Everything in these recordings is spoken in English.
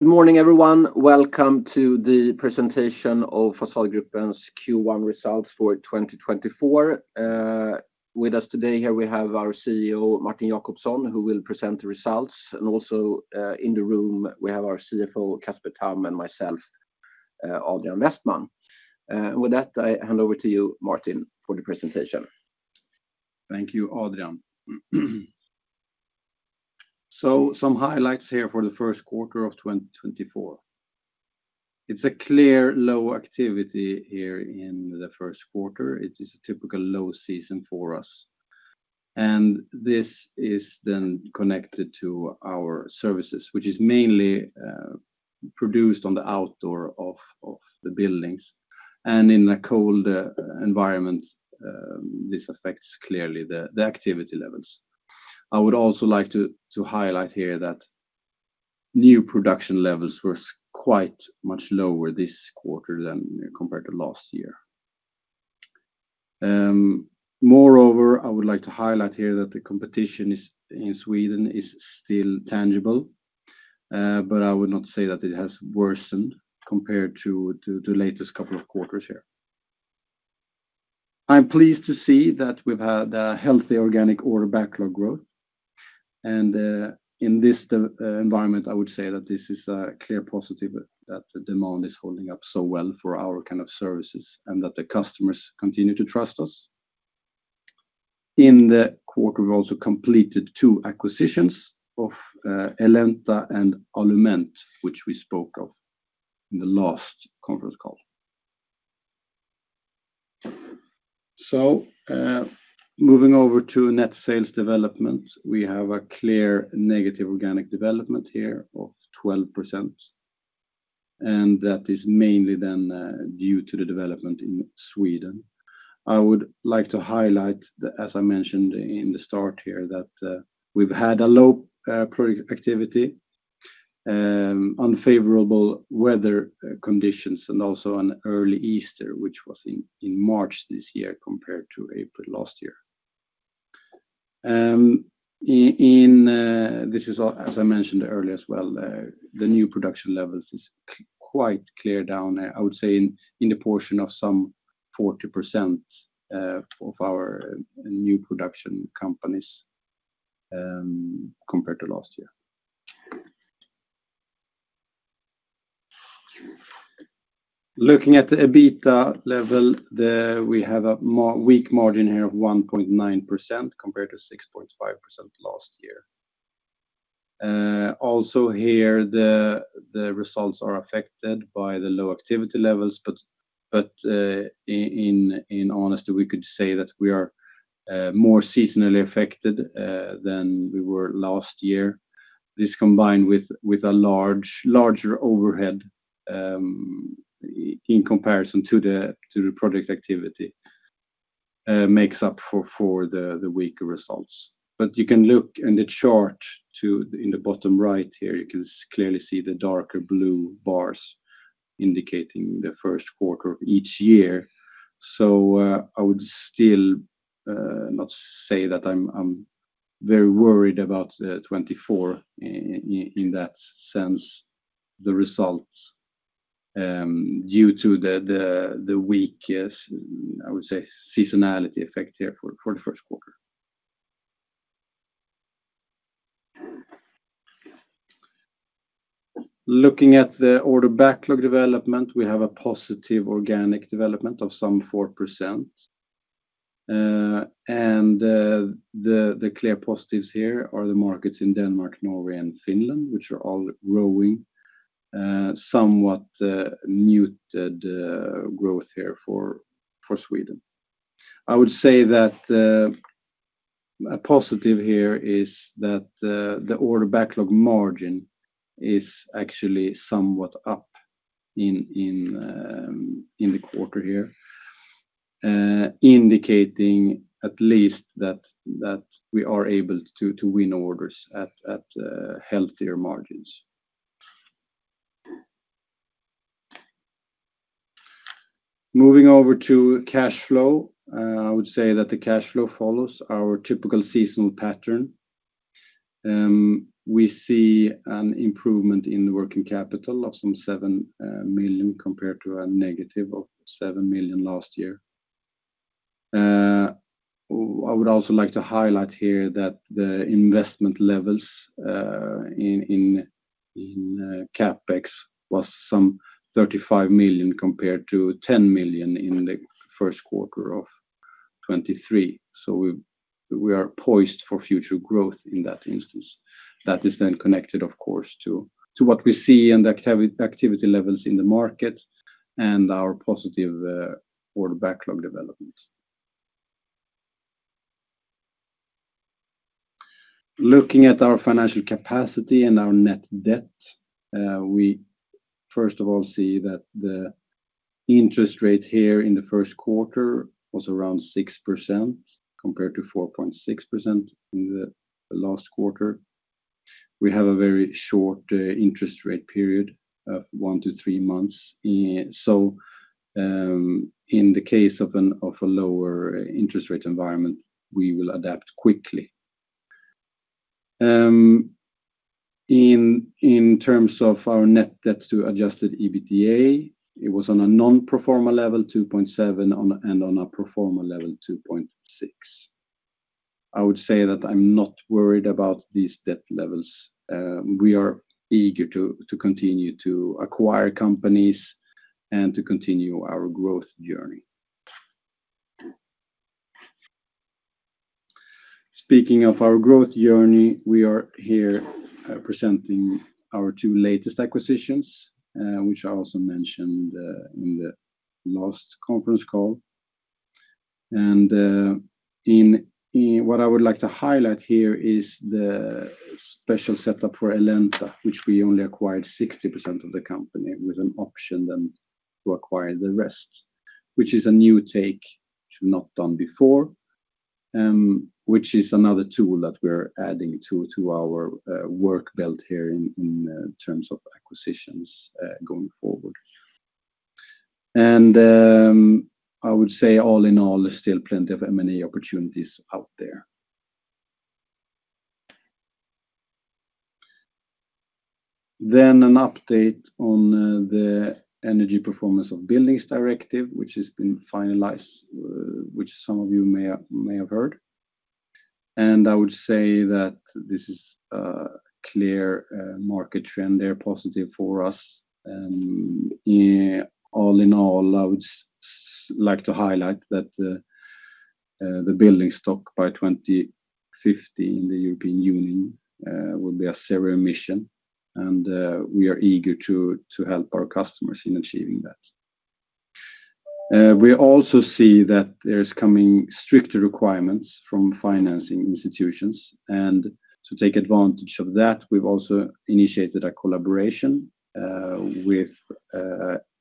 Good morning, everyone. Welcome to the presentation of Fasadgruppen's Q1 results for 2024. With us today, here we have our CEO, Martin Jacobsson, who will present the results, and also, in the room, we have our CFO, Casper Tamm, and myself, Adrian Westman. With that, I hand over to you, Martin, for the presentation. Thank you, Adrian. Some highlights here for the first quarter of 2024. It's clearly low activity here in the first quarter. It is a typical low season for us. This is then connected to our services, which is mainly produced on the outside of the buildings, and in a cold environment. This affects clearly the activity levels. I would also like to highlight here that new production levels were quite much lower this quarter than compared to last year. Moreover, I would like to highlight here that the competition in Sweden is still tangible, but I would not say that it has worsened compared to the latest couple of quarters here. I'm pleased to see that we've had a healthy organic order backlog growth, and in this environment, I would say that this is a clear positive that the demand is holding up so well for our kind of services, and that the customers continue to trust us. In the quarter, we've also completed two acquisitions of Elenta and Alumen, which we spoke of in the last conference call. So, moving over to net sales development, we have a clear negative organic development here of 12%, and that is mainly then due to the development in Sweden. I would like to highlight, as I mentioned in the start here, that we've had a low product activity, unfavorable weather conditions, and also an early Easter, which was in March this year compared to April last year. In this is as I mentioned earlier as well, the new production levels is quite clear down, I would say, in the portion of some 40%, of our new production companies, compared to last year. Looking at the EBITA level, we have a weak margin here of 1.9% compared to 6.5% last year. Also here, the results are affected by the low activity levels, but, in honesty, we could say that we are more seasonally affected, than we were last year. This combined with a larger overhead, in comparison to the project activity, makes up for the weaker results. But you can look in the chart to, in the bottom right here, you can clearly see the darker blue bars indicating the first quarter of each year. So, I would still not say that I'm very worried about 2024 in that sense, the results, due to the weakest, I would say, seasonality effect here for the first quarter. Looking at the order backlog development, we have a positive organic development of some 4%. And the clear positives here are the markets in Denmark, Norway, and Finland, which are all growing, somewhat muted growth here for Sweden. I would say that a positive here is that the order backlog margin is actually somewhat up in the quarter here, indicating at least that we are able to win orders at healthier margins. Moving over to cash flow, I would say that the cash flow follows our typical seasonal pattern. We see an improvement in the working capital of some 7 million compared to a negative of 7 million last year. I would also like to highlight here that the investment levels in CapEx was some 35 million compared to 10 million in the first quarter of 2023. So, we are poised for future growth in that instance. That is then connected, of course, to what we see in the activity levels in the market and our positive order backlog development. Looking at our financial capacity and our net debt, we first of all see that the interest rate here in the first quarter was around 6%, compared to 4.6% in the last quarter. We have a very short interest rate period of 1-3 months. In the case of a lower interest rate environment, we will adapt quickly. In terms of our net debt to adjusted EBITDA, it was on a non-pro forma level, 2.7, and on a pro forma level, 2.6. I would say that I'm not worried about these debt levels. We are eager to continue to acquire companies and to continue our growth journey. Speaking of our growth journey, we are here presenting our two latest acquisitions, which I also mentioned in the last conference call. What I would like to highlight here is the special setup for Elenta, which we only acquired 60% of the company with an option then to acquire the rest, which is a new take, which we've not done before, which is another tool that we're adding to our work belt here in terms of acquisitions, going forward. I would say all in all, there's still plenty of many opportunities out there. Then an update on the Energy Performance of Buildings Directive, which has been finalized, which some of you may have heard. I would say that this is a clear market trend there, positive for us. Yeah, all in all, I would like to highlight that the building stock by 2050 in the European Union will be a zero-emission, and we are eager to help our customers in achieving that. We also see that there's coming stricter requirements from financing institutions, and to take advantage of that, we've also initiated a collaboration with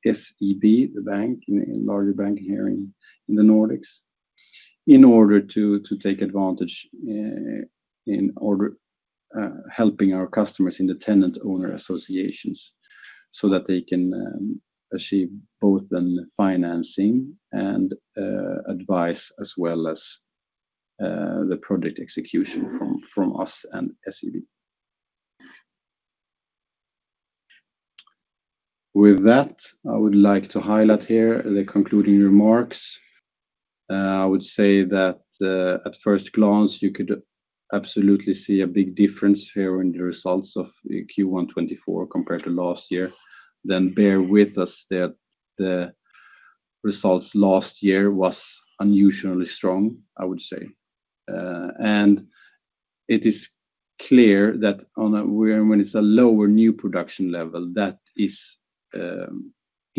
SEB, the bank, a larger bank here in the Nordics, in order to take advantage helping our customers in the tenant owner associations so, that they can achieve both in financing and advice, as well as the project execution from us and SEB. With that, I would like to highlight here the concluding remarks. I would say that, at first glance, you could absolutely see a big difference here in the results of Q1 2024 compared to last year. Then bear with us that the results last year was unusually strong, I would say. And it is clear that when it's a lower new production level, that is,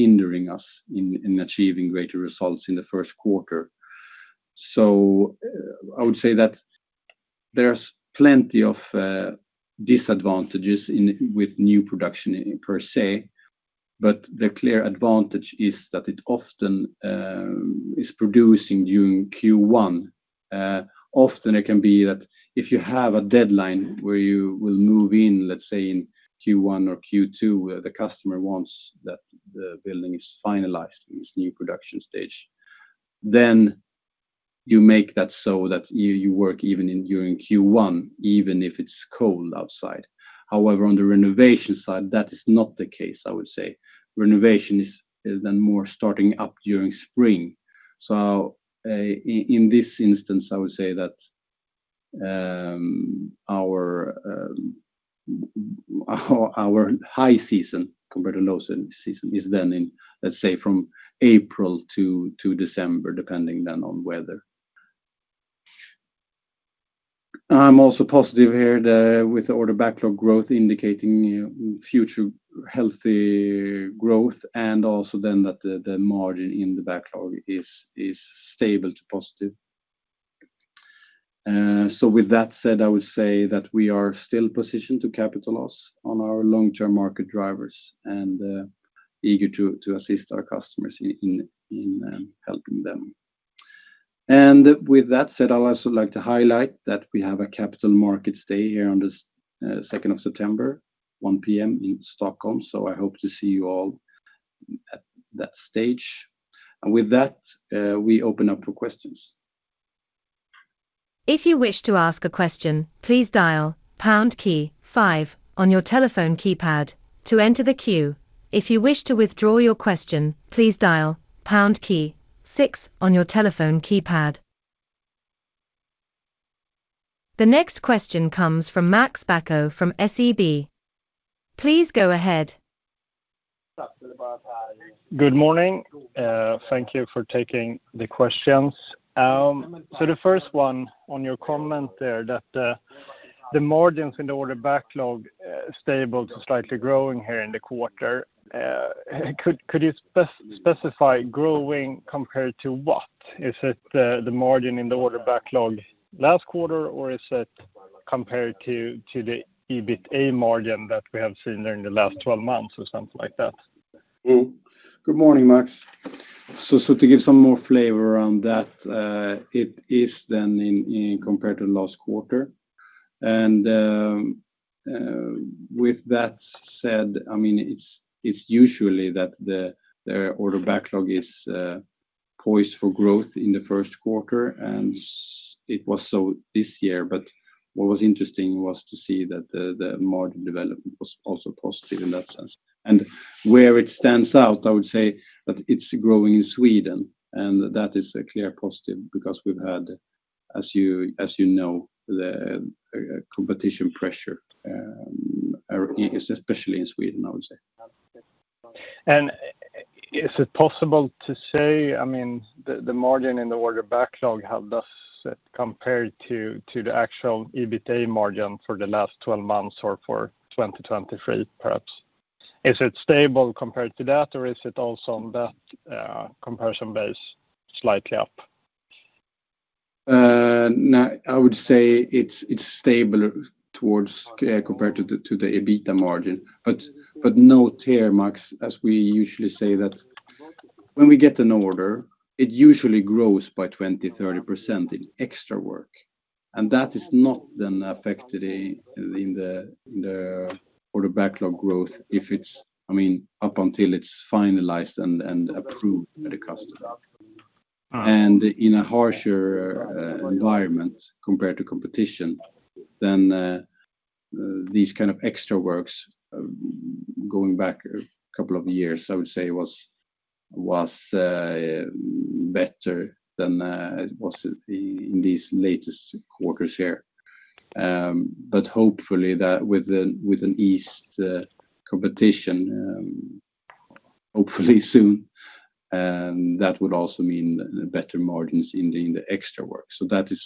hindering us in achieving greater results in the first quarter. So, I would say that there's plenty of disadvantages with new production per se, but the clear advantage is that it often is producing during Q1. Often it can be that if you have a deadline where you will move in, let's say, in Q1 or Q2, where the customer wants that the building is finalized in this new production stage, then you make that so that you work even in during Q1, even if it's cold outside. However, on the renovation side, that is not the case, I would say. Renovation is then more starting up during spring. So, in this instance, I would say that our high season compared to low season is then in, let's say, from April to December, depending then on weather. I'm also positive here that with the order backlog growth indicating future healthy growth, and also then that the margin in the backlog is stable to positive. So with that said, I would say that we are still positioned to capitalize on our long-term market drivers and eager to assist our customers in helping them. And with that said, I'd also like to highlight that we have a Capital Markets Day here on the second of September, 1:00 P.M. in Stockholm, so, I hope to see you all at that stage. And with that, we open up for questions. If you wish to ask a question, please dial pound key five on your telephone keypad to enter the queue. If you wish to withdraw your question, please dial pound key six on your telephone keypad. The next question comes from Max Bacco from SEB. Please go ahead. Good morning. Thank you for taking the questions. So, the first one on your comment there, that the margins in the order backlog stable to slightly growing here in the quarter, could you specify growing compared to what? Is it the margin in the order backlog last quarter, or is it compared to the EBITA margin that we have seen there in the last 12 months or something like that? Mm-hmm. Good morning, Max. So, to give some more flavor on that, it is then in compared to last quarter. And with that said, I mean, it's usually that the order backlog is poised for growth in the first quarter, and it was so this year. But what was interesting was to see that the margin development was also positive in that sense. And where it stands out, I would say, that it's growing in Sweden, and that is a clear positive because we've had, as you know, the competition pressure, especially in Sweden, I would say. And is it possible to say, I mean, the, the margin in the order backlog, how does it compare to, to the actual EBITA margin for the last twelve months or for 2023, perhaps? Is it stable compared to that, or is it also on that, comparison base, slightly up? Now I would say it's stable towards compared to the EBITA margin. But no tear marks, as we usually say, that when we get an order, it usually grows by 20-30% in extra work. And that is not then affected in the order backlog growth if it's, I mean, up until it's finalized and approved by the customer. Ah. And in a harsher environment compared to competition, then, these kind of extra works, going back a couple of years, I would say, was better than it was in these latest quarters here. But hopefully that with an eased competition, hopefully soon, that would also mean better margins in the extra work. So, that is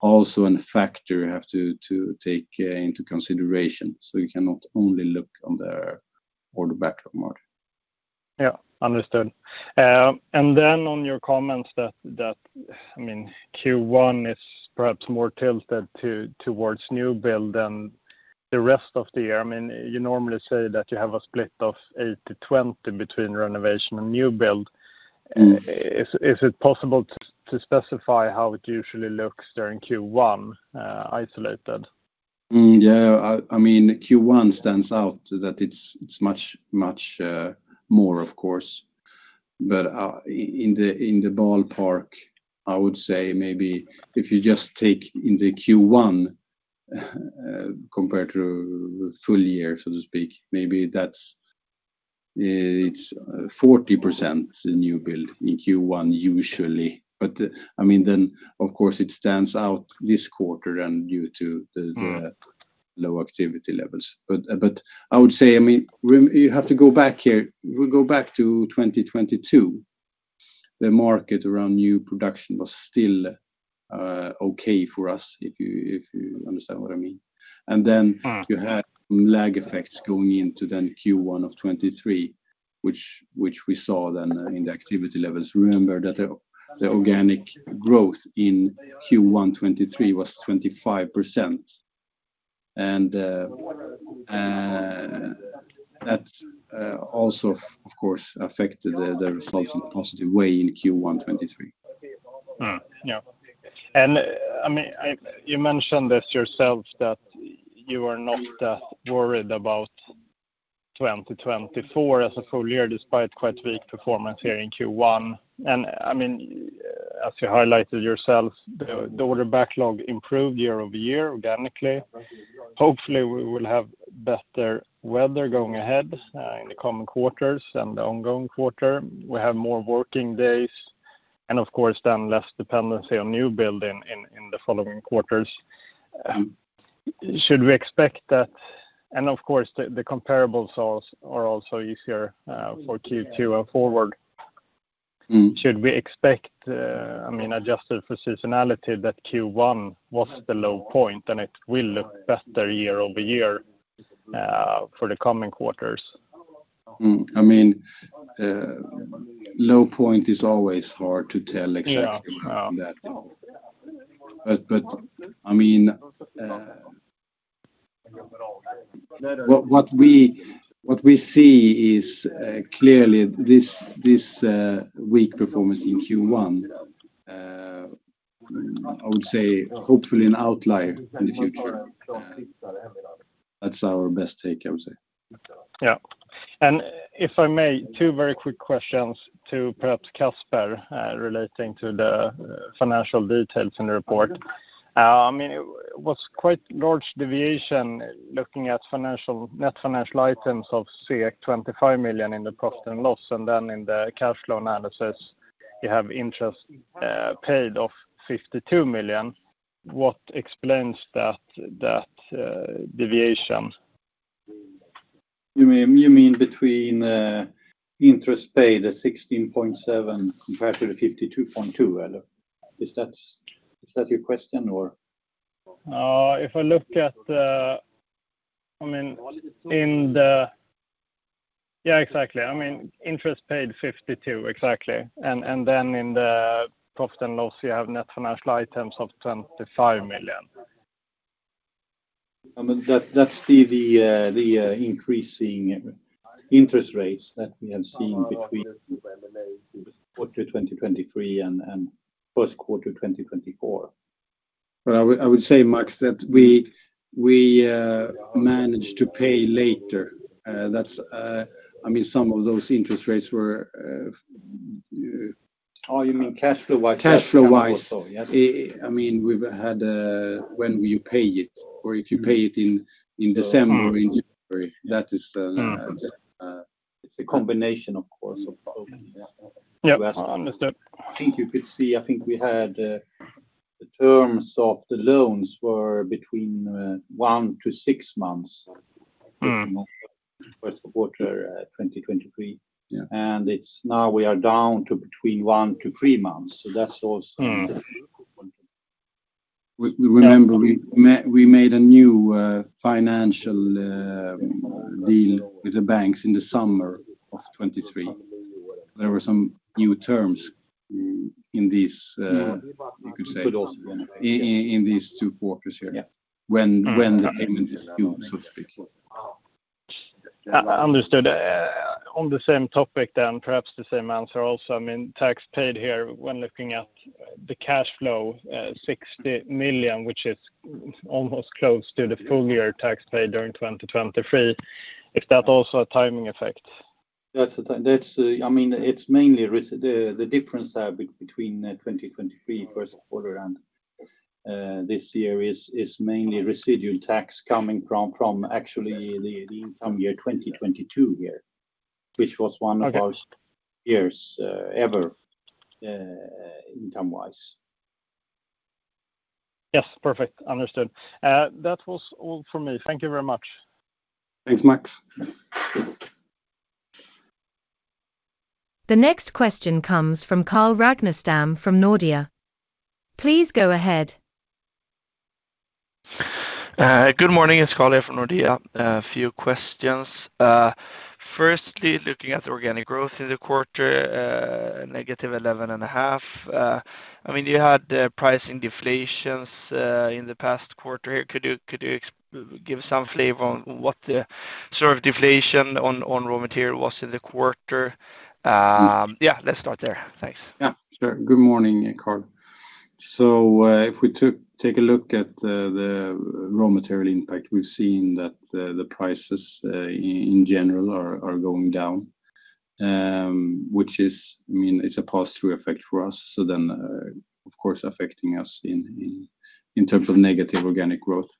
also a factor you have to take into consideration, so you cannot only look on the order backlog margin. Yeah. Understood. And then on your comments that, I mean, Q1 is perhaps more tilted towards new build than the rest of the year. I mean, you normally say that you have a split of 8-20 between renovation and new build. Is it possible to specify how it usually looks during Q1, isolated? Yeah, I mean, Q1 stands out that it's much more, of course. But in the ballpark, I would say maybe if you just take in the Q1 compared to full year, so to speak, maybe that's it's 40% the new build in Q1 usually. But I mean, then, of course, it stands out this quarter and due to the-... the low activity levels. But I would say, I mean, you have to go back here. We go back to 2022, the market around new production was still okay for us, if you understand what I mean. Then you had lag effects going into Q1 2023, which we saw then in the activity levels. Remember that the organic growth in Q1 2023 was 25%. And that also, of course, affected the results in a positive way in Q1 2023. Yeah. And, I mean, you mentioned this yourself, that you are not that worried about 2024 as a full year, despite quite weak performance here in Q1. And, I mean, as you highlighted yourself, the order backlog improved year-over-year, organically. Hopefully, we will have better weather going ahead in the coming quarters and the ongoing quarter. We have more working days, and of course, then less dependency on new building in the following quarters. Should we expect that- and of course, the comparables are also easier for Q2 and forward. Should we expect, I mean, adjusted for seasonality, that Q1 was the low point, and it will look better year-over-year, for the coming quarters? I mean, low point is always hard to tell exactly- Yeah, yeah... from that. But, I mean, what we see is clearly this weak performance in Q1. I would say, hopefully an outlier in the future. That's our best take, I would say. Yeah. And if I may, two very quick questions to perhaps Casper, relating to the financial details in the report. I mean, it was quite large deviation looking at financial, net financial items of 25 million in the profit and loss, and then in the cash flow analysis, you have interest paid of 52 million. What explains that deviation? You mean, you mean between interest paid, the 16.7, compared to the 52.2, or is that, is that your question, or? If I look at the, I mean, yeah, exactly. I mean, interest paid 52, exactly. And then in the profit and loss, you have net financial items of 25 million. I mean, that's the increasing interest rates that we have seen between quarter 2023 and first quarter 2024. But I would say, Max, that we managed to pay later. That's, I mean, some of those interest rates were- Oh, you mean cash flow-wise? Cash flow-wise. Yes. I mean, we've had, when you pay it, or if you pay it in, in December or in January, that is, It's a combination, of course, of both. Yeah. Yes, understood. I think you could see, I think we had, the terms of the loans were between 1-6 months. First quarter, 2023. Yeah. It's now we are down to between 1-3 months, so, that's also we remember we made a new financial deal with the banks in the summer of 2023. There were some new terms in these two quarters here. Yeah. When the payment is due, so to speak. Understood. On the same topic, then perhaps the same answer also, I mean, tax paid here when looking at the cash flow, 60 million, which is almost close to the full year tax paid during 2023. Is that also a timing effect? That's, I mean, it's mainly the difference between the 2023 first quarter and this year is mainly residual tax coming from actually the income year 2022 here, which was one- Okay... of our years, ever, income-wise. Yes, perfect. Understood. That was all for me. Thank you very much. Thanks, Max. The next question comes from Carl Ragnerstam from Nordea. Please go ahead. Good morning, it's Carl here from Nordea. A few questions. Firstly, looking at the organic growth in the quarter, negative 11.5, I mean, you had the pricing deflations in the past quarter here. Could you give some flavor on what the sort of deflation on raw material was in the quarter? Yeah, let's start there. Thanks. Yeah, sure. Good morning, Carl. So, if we take a look at the raw material impact, we've seen that the prices in general are going down, which is, I mean, it's a pass-through effect for us, so then, of course, affecting us in terms of negative organic growth.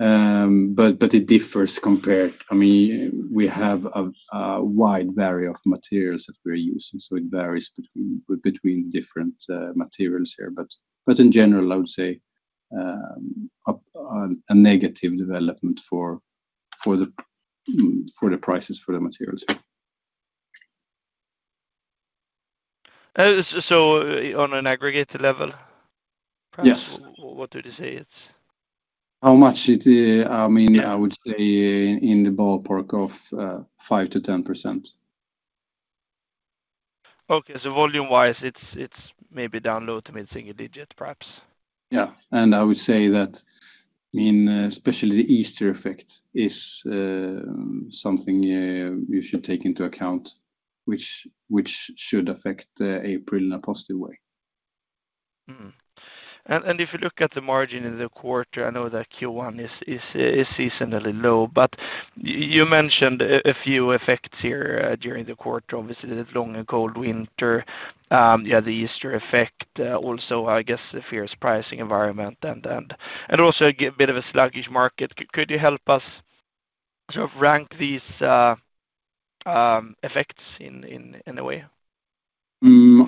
But it differs compared... I mean, we have a wide variety of materials that we're using, so it varies between different materials here. But in general, I would say a negative development for the prices for the materials. So, on an aggregate level, perhaps- Yes... what would you say it's? How much it, I mean- Yeah... I would say in the ballpark of 5%-10%. Okay. So, volume-wise, it's maybe down low to mid-single digits, perhaps? Yeah. I would say that, I mean, especially the Easter effect is something you should take into account, which should affect April in a positive way. And if you look at the margin in the quarter, I know that Q1 is seasonally low, but you mentioned a few effects here during the quarter. Obviously, the long and cold winter, yeah, the Easter effect, also, I guess, the fierce pricing environment and also a bit of a sluggish market. Could you help us to rank these effects in a way? I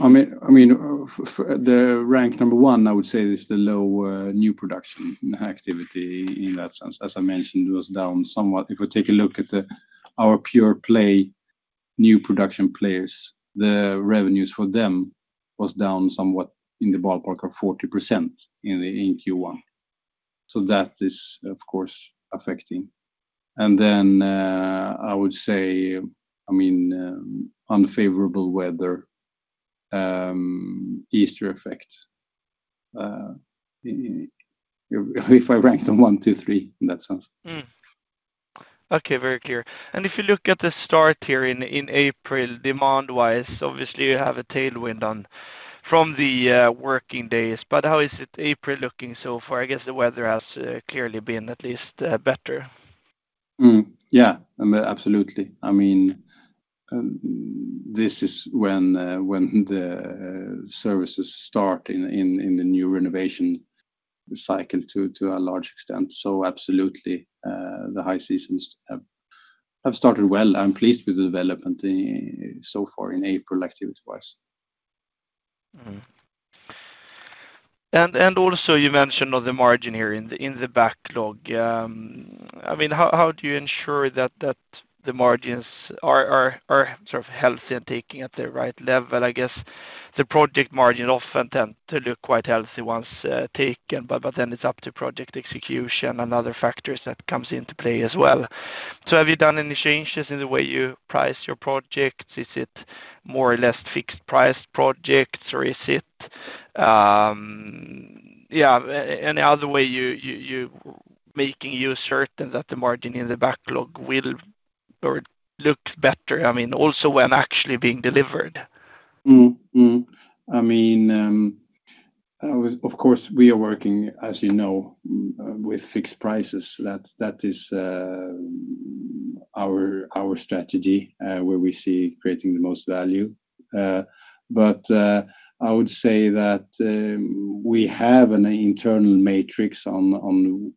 mean, the rank number one, I would say, is the low new production activity in that sense. As I mentioned, it was down somewhat. If we take a look at our pure play new production players, the revenues for them was down somewhat in the ballpark of 40% in Q1. So, that is, of course, affecting. And then, I would say, I mean, unfavorable weather, Easter effects, if I rank them one, two, three, in that sense. Mm. Okay, very clear. And if you look at the start here in April, demand-wise, obviously, you have a tailwind on from the working days, but how is it April looking so far? I guess the weather has clearly been at least better. Yeah, absolutely. I mean, this is when the services start in the new renovation cycle to a large extent. So, absolutely, the high seasons have started well. I'm pleased with the development so far in April, activity-wise. Also, you mentioned on the margin here in the backlog. I mean, how do you ensure that the margins are sort of healthy and taking at the right level? I guess the project margin often tend to look quite healthy once taken, but then it's up to project execution and other factors that comes into play as well. Have you done any changes in the way you price your projects? Is it more or less fixed price projects, or is it any other way you making you certain that the margin in the backlog will or looked better, I mean, also when actually being delivered? Mm-hmm. I mean, of course, we are working, as you know, with fixed prices. That is our strategy where we see creating the most value. But I would say that we have an internal matrix on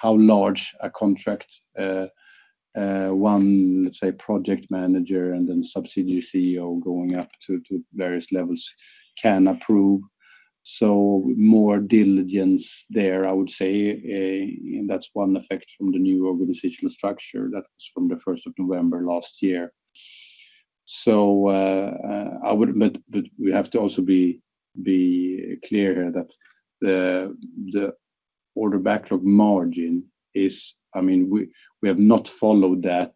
how large a contract one, let's say, project manager and then subsidiary CEO going up to various levels can approve. So, more diligence there, I would say, that's one effect from the new organizational structure. That's from the first of November last year. So, I would—but we have to also be clear that the order backlog margin is—I mean, we have not followed that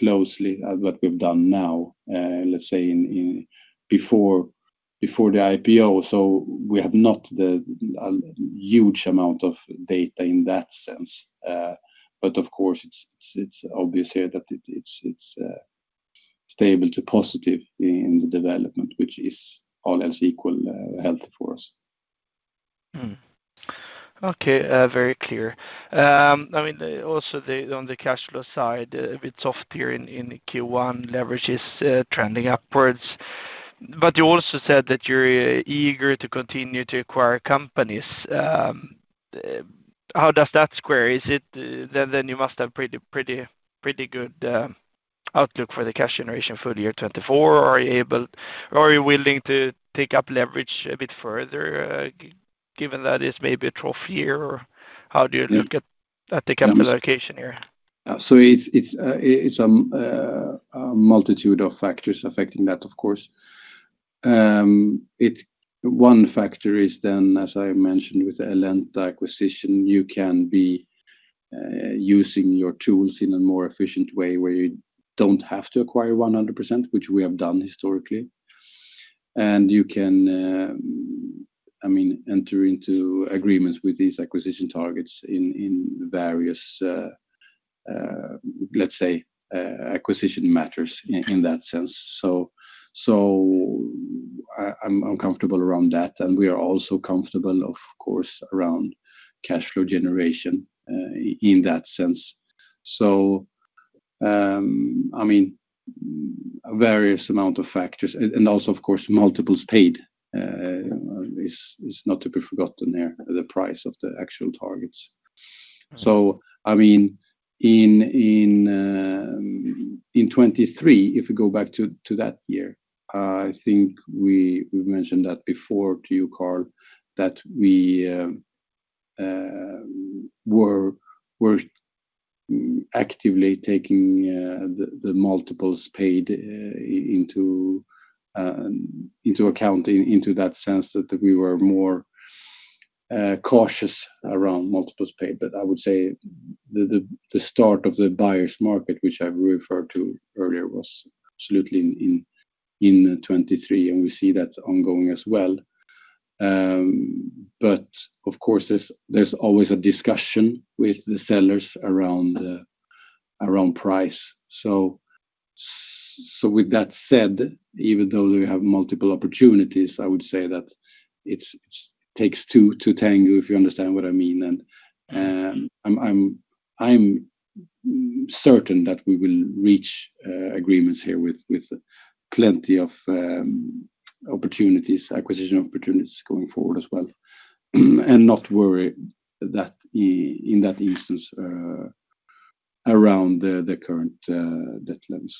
closely, what we've done now, let's say in before the IPO. So, we have not the huge amount of data in that sense. But of course, it's stable to positive in the development, which is all else equal, healthy for us. Okay, very clear. I mean, also, on the cash flow side, a bit soft here in Q1, leverage is trending upwards. But you also said that you're eager to continue to acquire companies. How does that square? Is it, then you must have pretty, pretty, pretty good outlook for the cash generation for the year 2024? Or are you willing to take up leverage a bit further, given that it's maybe a trough year? Or how do you look at the capital allocation here? So, it's a multitude of factors affecting that, of course. One factor is then, as I mentioned, with the Elenta acquisition, you can be using your tools in a more efficient way, where you don't have to acquire 100%, which we have done historically. And you can, I mean, enter into agreements with these acquisition targets in various, let's say, acquisition matters in that sense. So, I'm comfortable around that, and we are also comfortable, of course, around cash flow generation in that sense. So I mean, various amount of factors and also, of course, multiples paid is not to be forgotten there, the price of the actual targets. So, I mean, in 2023, if we go back to that year, I think we mentioned that before to you, Carl, that we were actively taking the multiples paid into account, into that sense that we were more cautious around multiples paid. But I would say the start of the buyer's market, which I referred to earlier, was absolutely in 2023, and we see that ongoing as well. But of course, there's always a discussion with the sellers around the price. So, with that said, even though we have multiple opportunities, I would say that it takes two to tango, if you understand what I mean. I'm certain that we will reach agreements here with plenty of opportunities, acquisition opportunities going forward as well, and not worry that in that instance around the current debt levels.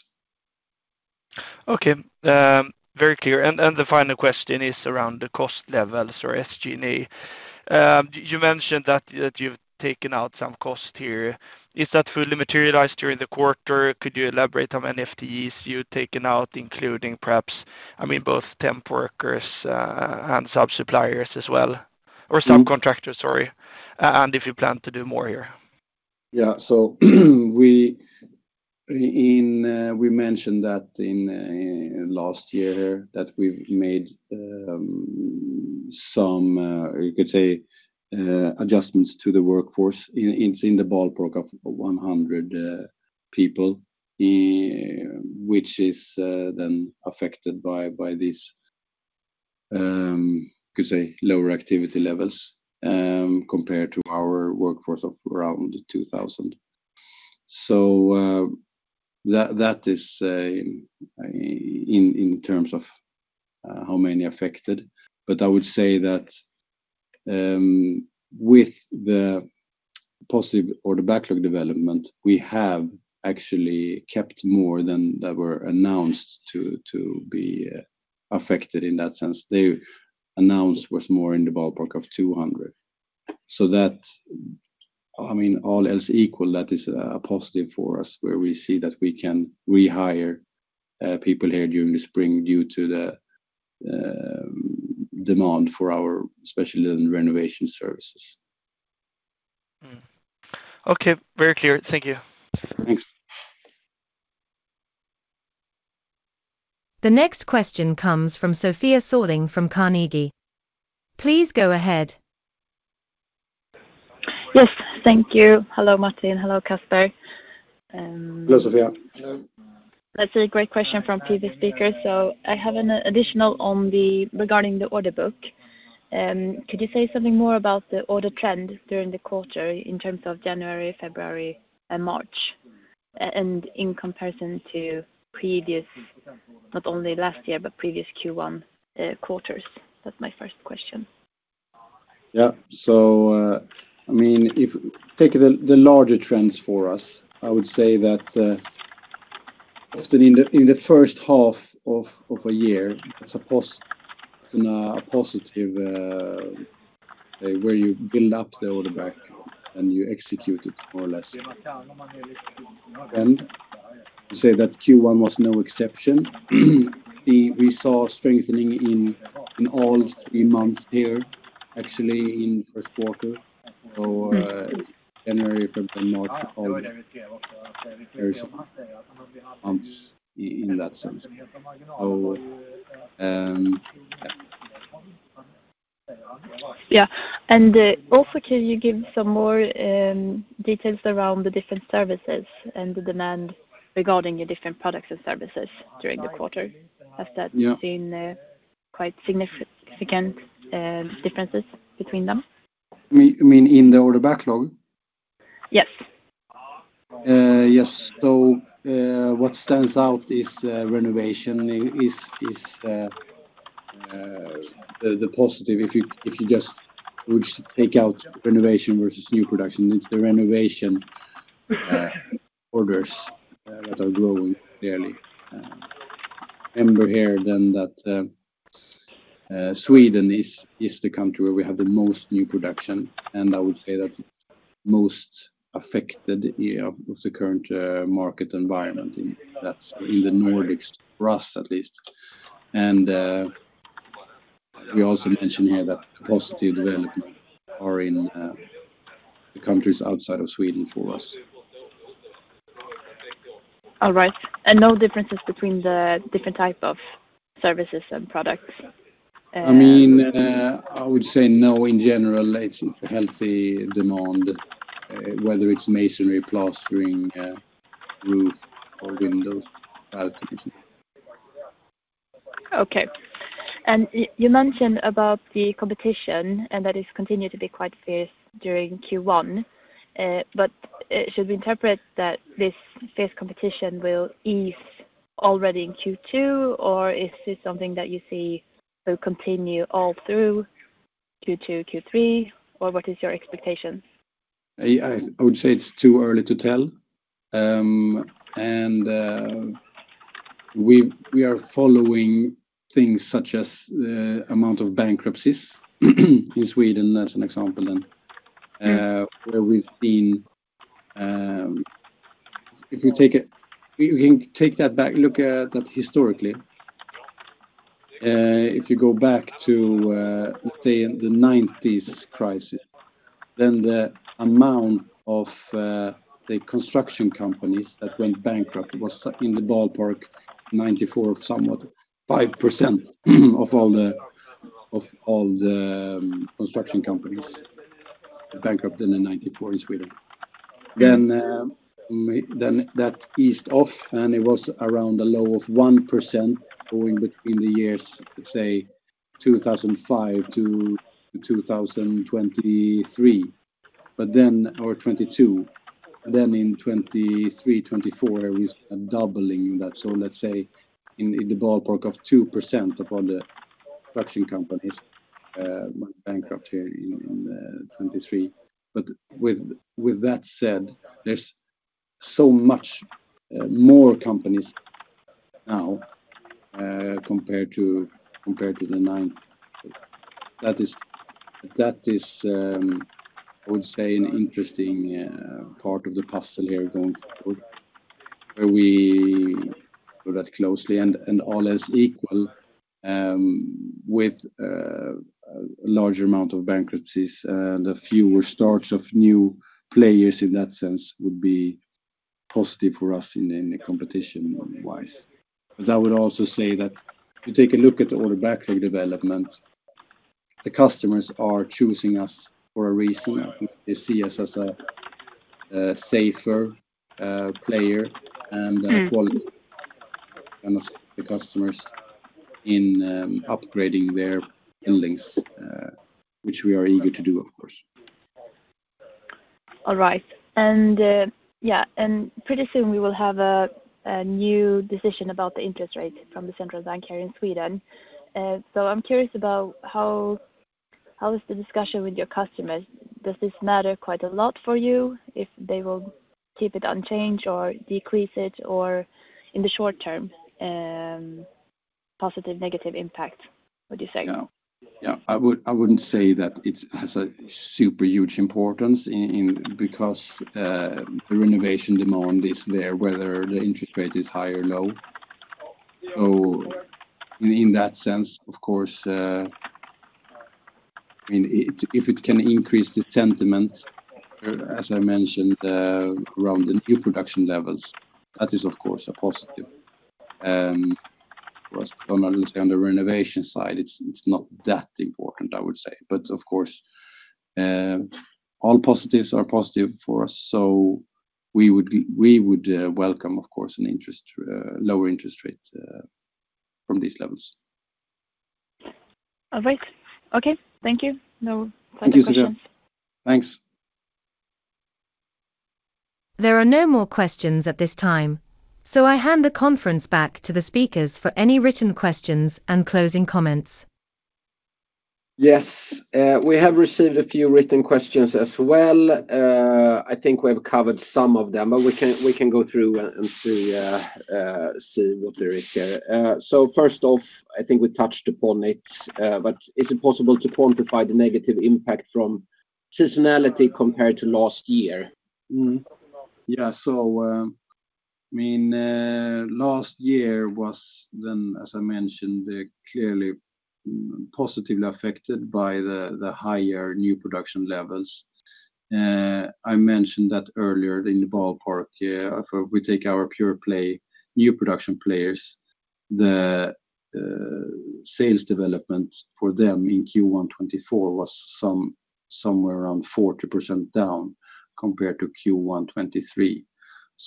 Okay, very clear. And the final question is around the cost levels or SG&A. You mentioned that you've taken out some costs here. Is that fully materialized during the quarter? Could you elaborate on how many FTEs you've taken out, including perhaps, I mean, both temp workers and sub-suppliers as well, or subcontractors, sorry, and if you plan to do more here? Yeah. So, we mentioned that in last year, that we've made some, you could say, adjustments to the workforce in the ballpark of 100 people, which is then affected by this, you could say, lower activity levels, compared to our workforce of around 2,000. So, that is in terms of how many affected. But I would say that, with the positive or the backlog development, we have actually kept more than that were announced to be affected in that sense. They announced was more in the ballpark of 200. So that, I mean, all else equal, that is, a positive for us, where we see that we can rehire people here during the spring due to the demand for our specialist and renovation services. Mm. Okay, very clear. Thank you. Thanks. ...The next question comes from Sofia Sörling from Carnegie. Please go ahead. Yes, thank you. Hello, Martin. Hello, Casper. Hello, Sofia. That's a great question from previous speakers, so I have an additional on the regarding the order book. Could you say something more about the order trend during the quarter in terms of January, February, and March, and in comparison to previous, not only last year, but previous Q1, quarters? That's my first question. Yeah. So, I mean, if taking the larger trends for us, I would say that often in the first half of a year, it's a positive where you build up the order backlog and you execute it more or less. And to say that Q1 was no exception. We saw strengthening in all three months here, actually in first quarter. So, January, February, and March, in that sense. So, Yeah. Also, can you give some more details around the different services and the demand regarding the different products and services during the quarter? Has that- Yeah. -seen a quite significant, differences between them? You, you mean in the order backlog? Yes. Yes. So, what stands out is renovation is the positive, if you just would take out renovation versus new production, it's the renovation orders that are growing yearly. And remember here then that Sweden is the country where we have the most new production, and I would say that most affected, yeah, of the current market environment, and that's in the Nordics, for us at least. And we also mentioned here that positive development are in the countries outside of Sweden for us. All right. And no differences between the different type of services and products? I mean, I would say no. In general, it's a healthy demand, whether it's masonry, plastering, roof or windows. Okay. And you mentioned about the competition, and that it's continued to be quite fierce during Q1. But should we interpret that this fierce competition will ease already in Q2, or is this something that you see will continue all through Q2, Q3? Or what is your expectation? I would say it's too early to tell. And we are following things such as amount of bankruptcies in Sweden, as an example, then where we've seen. If you take it- you can take that back, look at that historically. If you go back to, let's say, in the nineties crisis, then the amount of the construction companies that went bankrupt was in the ballpark 94.5% of all the- of all the construction companies, bankrupt in the ninety-four in Sweden. Then that eased off, and it was around a low of 1% going between the years, let's say, 2005 to 2023, but then or 2022. Then in 2023, 2024, we're doubling that. So, let's say in the ballpark of 2% of all the construction companies went bankrupt here in 2023. But with that said, there's so much more companies now compared to 2009. That is, I would say, an interesting part of the puzzle here going forward, where we look at closely and all else equal, with a larger amount of bankruptcies, the fewer starts of new players in that sense would be positive for us in the competition-wise. But I would also say that to take a look at the order backlog development, the customers are choosing us for a reason. They see us as a safer player, and Quality, and the customers in upgrading their buildings, which we are eager to do, of course. All right. And, yeah, and pretty soon we will have a new decision about the interest rate from the Central Bank here in Sweden. So I'm curious about how is the discussion with your customers? Does this matter quite a lot for you, if they will keep it unchanged or decrease it, or in the short term, positive, negative impact, would you say? Yeah. Yeah, I would—I wouldn't say that it has a super huge importance in, because the renovation demand is there, whether the interest rate is high or low. So, in that sense, of course... I mean, if it can increase the sentiment, as I mentioned, around the new production levels, that is, of course, a positive. But on the renovation side, it's not that important, I would say. But of course, all positives are positive for us, so, we would—we would welcome, of course, lower interest rates from these levels. All right. Okay, thank you. No further questions. Thank you, Sofia. Thanks. There are no more questions at this time, so I hand the conference back to the speakers for any written questions and closing comments. Yes, we have received a few written questions as well. I think we have covered some of them, but we can, we can go through and see what there is here. So, first off, I think we touched upon it, but is it possible to quantify the negative impact from seasonality compared to last year? Mm-hmm. Yeah, so, I mean, last year was then, as I mentioned, clearly positively affected by the higher new production levels. I mentioned that earlier in the ballpark. Yeah, if we take our pure play, new production players, the sales development for them in Q1 2024 was somewhere around 40% down compared to Q1 2023.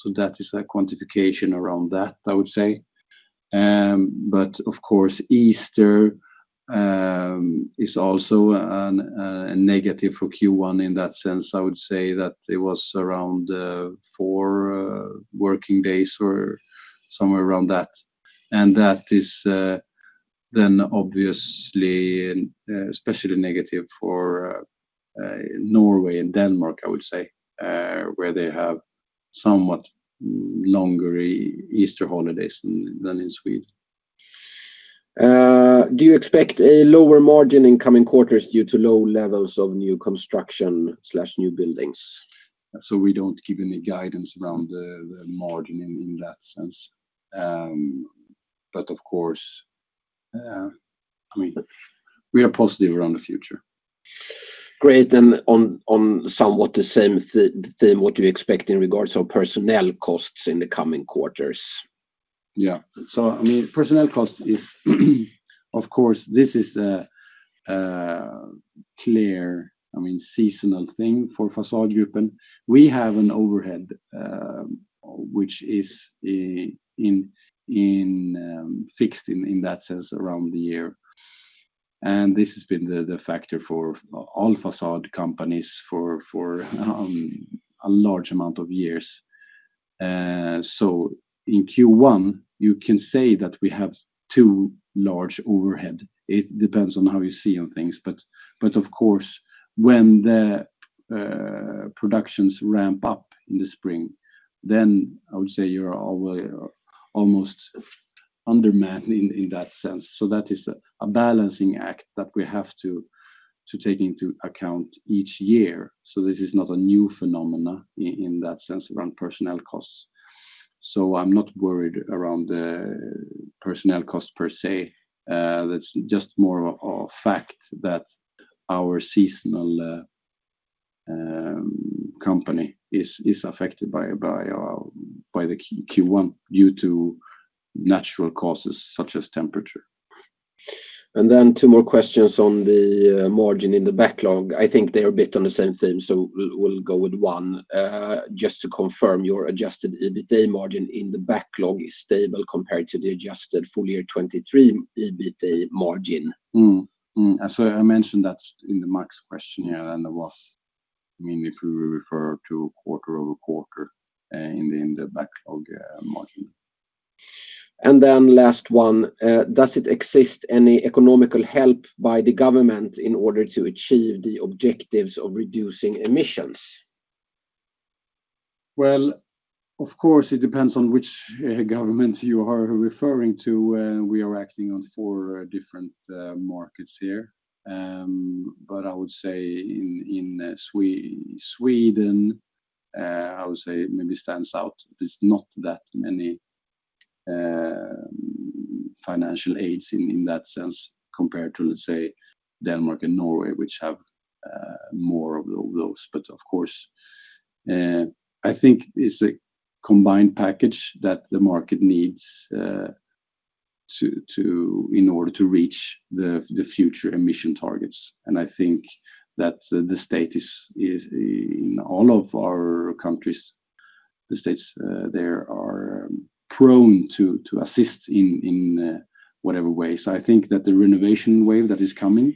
So, that is a quantification around that, I would say. But of course, Easter is also a negative for Q1 in that sense. I would say that it was around 4 working days or somewhere around that. And that is then obviously, and especially negative for Norway and Denmark, I would say, where they have somewhat longer Easter holidays than in Sweden. Do you expect a lower margin in coming quarters due to low levels of new construction/new buildings? So, we don't give any guidance around the margin in that sense. But of course, I mean, we are positive around the future. Great. Then on somewhat the same theme, what do you expect in regards of personnel costs in the coming quarters? Yeah. So, I mean, personnel cost is, of course, this is a clear, I mean, seasonal thing for Fasadgruppen Group. We have an overhead, which is in, in fixed in, in that sense, around the year. And this has been the, the factor for all facade companies for, for a large amount of years. So in Q1, you can say that we have two large overhead. It depends on how you see on things. But, but of course, when the productions ramp up in the spring, then I would say you're almost, almost undermanned in, in that sense. So that is a balancing act that we have to, to take into account each year. So this is not a new phenomena in, in that sense around personnel costs. So, I'm not worried around the personnel cost per se, that's just more of a fact that our seasonal company is affected by the Q1 due to natural causes such as temperature. And then two more questions on the margin in the backlog. I think they're a bit on the same theme, so we'll, we'll go with one. Just to confirm, your adjusted EBITA margin in the backlog is stable compared to the adjusted full year 2023 EBITA margin. Mm-hmm. Mm. As I mentioned that in Mark's question here, and there was, I mean, if we refer to quarter-over-quarter, in the backlog, margin. Last one: Does it exist any economical help by the government in order to achieve the objectives of reducing emissions? Well, of course, it depends on which government you are referring to. We are acting on four different markets here. But I would say in Sweden, I would say maybe stands out, there's not that many financial aids in that sense, compared to, let's say, Denmark and Norway, which have more of those. But of course, I think it's a combined package that the market needs to in order to reach the future emission targets. And I think that the state is in all of our countries, the states there are prone to assist in whatever way. So, I think that the renovation wave that is coming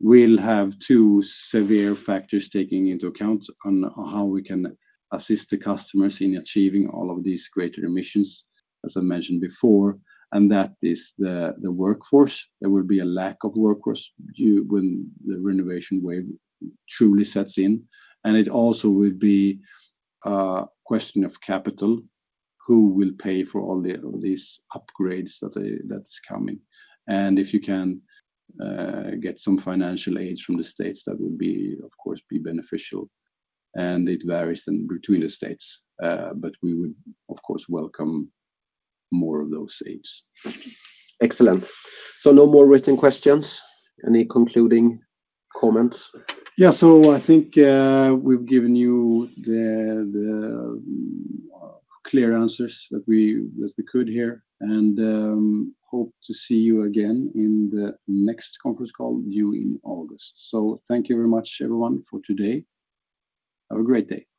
will have two severe factors taking into account on how we can assist the customers in achieving all of these greater emissions, as I mentioned before, and that is the workforce. There will be a lack of workforce due when the renovation wave truly sets in. It also will be a question of capital, who will pay for all these upgrades that they-- that's coming. If you can get some financial aid from the states, that would, of course, be beneficial, and it varies between the states, but we would, of course, welcome more of those aids. Excellent. So, no more written questions. Any concluding comments? Yeah. I think we've given you the clear answers that we could here, and hope to see you again in the next conference call due in August. Thank you very much, everyone, for today. Have a great day.